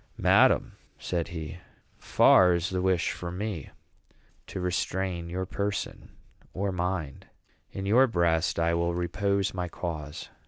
"Madam," said he, "far is the wish from me to restrain your person or mind. In your breast I will repose my cause.